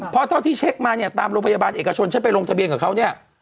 เพราะเท่าที่เช็คมาเนี่ยตามโรงพยาบาลเอกชนฉันไปลงทะเบียนกับเขาเนี่ย